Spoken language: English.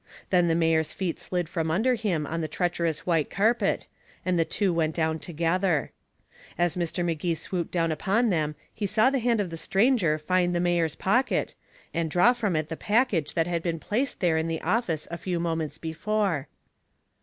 Then the mayor's feet slid from under him on the treacherous white carpet, and the two went down together. As Mr. Magee swooped down upon them he saw the hand of the stranger find the mayor's pocket, and draw from it the package that had been placed there in the office a few moments before.